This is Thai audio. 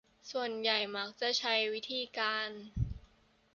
ส่วนใหญ่มักจะใช้วิธีการ